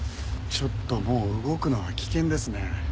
ちょっともう動くのは危険ですね。